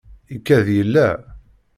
Ikad yella.